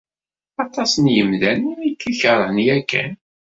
Aṭas n yemdanen i k-ikeṛhen yakan.